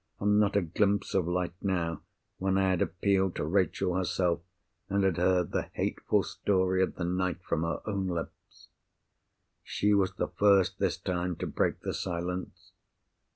And not a glimpse of light now, when I had appealed to Rachel herself, and had heard the hateful story of the night from her own lips. She was the first, this time, to break the silence.